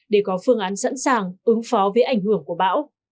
để có phương án sẵn sàng ứng phó với ảnh hưởng của bão